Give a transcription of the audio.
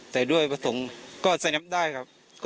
แต่ด้วยประสงค์ก็ใส่น้ำได้ครับ